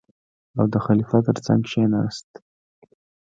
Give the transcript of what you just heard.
او د خلیفه تر څنګ کېناست.